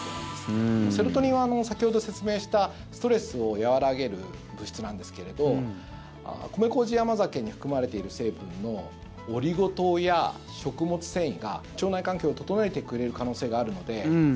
セロトニンは先ほど説明したストレスを和らげる物質なんですけれど米麹甘酒に含まれている成分のオリゴ糖や食物繊維が腸内環境を整えてくれる可能性があるので。